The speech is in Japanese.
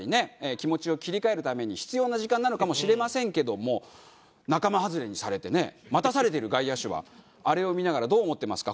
気持ちを切り替えるために必要な時間なのかもしれませんけども仲間外れにされてね待たされてる外野手はあれを見ながらどう思ってますか？